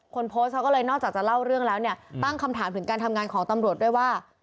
คนโพสต์เขาก็เลยนอกจากจะเล่าเรื่องแล้วเนี่ยตั้งคำถามถึงการทำงานของตำรวจด้วยว่า